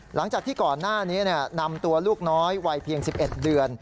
หลังจากที่ก่อนหน้านี้นำตัวลูกน้อยวัยเพียง๑๑เดือน